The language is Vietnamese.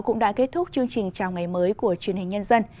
cũng đã kết thúc chương trình chào ngày mới của truyền hình nhân dân